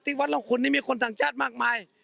วัดร่องคุณนี่มีคนต่างชาติมากมาย